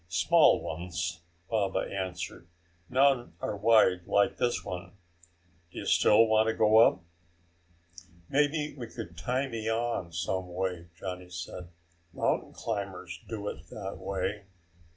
"Small ones," Baba answered. "None are wide like this one. Do you still want to go up?" "Maybe we could tie me on some way," Johnny said. "Mountain climbers do it that way."